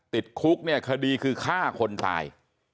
ติดคุกเนี่ยคดีคือฆ่าคนตาย